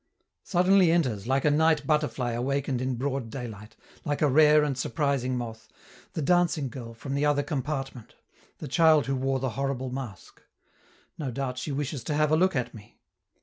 Suddenly enters, like a night butterfly awakened in broad daylight, like a rare and surprising moth, the dancing girl from the other compartment, the child who wore the horrible mask. No doubt she wishes to have a look at me.